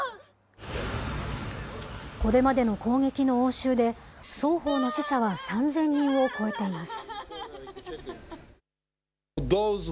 これまでの攻撃の応酬で、双方の死者は３０００人を超えています。